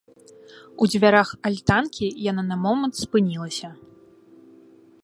У дзвярах альтанкі яна на момант спынілася.